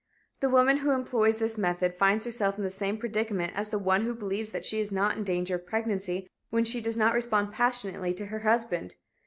The woman who employs this method finds herself in the same predicament as the one who believes that she is not in danger of pregnancy when she does not respond passionately to her husband.